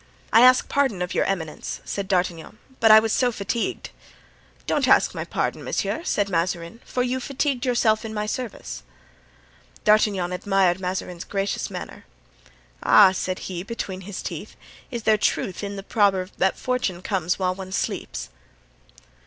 "I ask pardon of your eminence," said D'Artagnan, "but I was so fatigued——" "Don't ask my pardon, monsieur," said Mazarin, "for you fatigued yourself in my service." D'Artagnan admired Mazarin's gracious manner. "Ah," said he, between his teeth, "is there truth in the proverb that fortune comes while one sleeps?"